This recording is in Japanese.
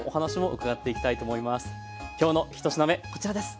今日の１品目こちらです。